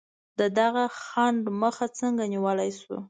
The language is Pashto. د دغه خنډ مخه څنګه نیولای شو؟